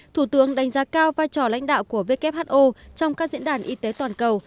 thủ tướng đánh giá cao vai trò lãnh đạo của who trong các diễn đàn y tế toàn cầu